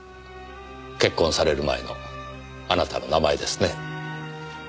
結婚される前のあなたの名前ですね。